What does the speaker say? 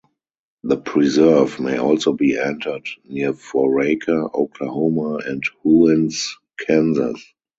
The preserve may also be entered near Foraker, Oklahoma, and Hewins, Kansas.